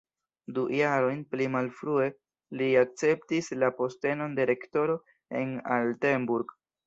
Du jarojn pli malfrue li akceptis la postenon de rektoro en Altenburg.